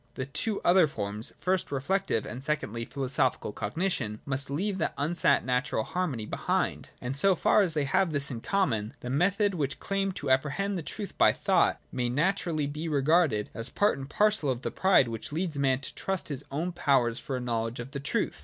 The two other forms, first reflective, and secondly philosophical cognition, must leave that unsought natural harmony behind. And so far as they have this in common, the methods which claim to appre 54 PRELIMINARY NOTION. \_H hend the truth by thought may naturally be regarded as part and parcel of the pride which leads man to trust to his own powers for a knowledge of the truth.